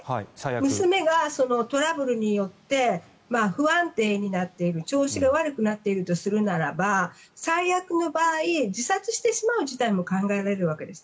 娘がトラブルによって不安定になっている調子が悪くなっているとするならば最悪の場合自殺してしまう事態も考えられるわけです。